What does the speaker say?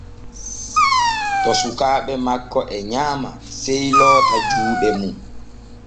To sukaaɓe makko e nyaama sey loota juuɗe mum.